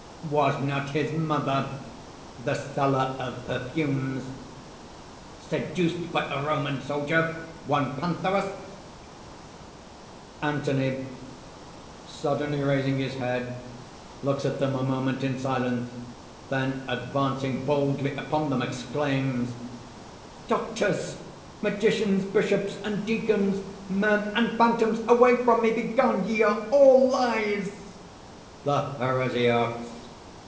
Was not his mother, the seller of perfumes, seduced by a Roman soldier, one Pantherus?.......................... ANTHONY (suddenly raising his head, looks at them a moment in silence; then advancing boldly upon them, exclaims): "Doctors, magicians, bishops, and deacons, men and phantoms, away from me! begone! Ye are all lies!" THE HERESIARCHS.